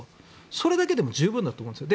それだけでも十分だと思うんです。